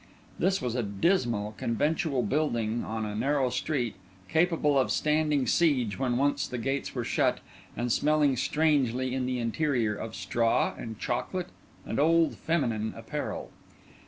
This was a dismal, conventual building in a narrow street, capable of standing siege when once the gates were shut, and smelling strangely in the interior of straw and chocolate and old feminine apparel.